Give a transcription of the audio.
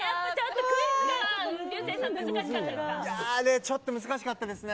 ちょっと難しかったですね。